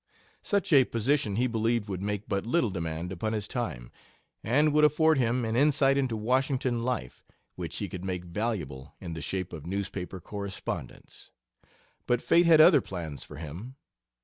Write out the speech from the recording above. Such a position he believed would make but little demand upon his time, and would afford him an insight into Washington life, which he could make valuable in the shape of newspaper correspondence. But fate had other plans for him.